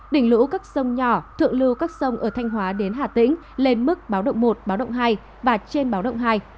đỉnh lũ các sông nhỏ thượng lưu các sông ở thanh hóa đến hà tĩnh lên mức báo động một báo động hai và trên báo động hai